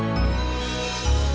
bahasa biada lengket